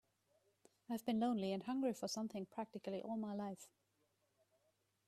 I've been lonely and hungry for something practically all my life.